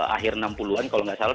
akhir enam puluh an kalau nggak salah